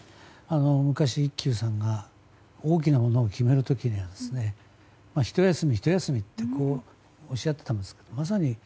昔、一休さんが大きなものを決める時はひと休み、ひと休みとおっしゃっていたんです。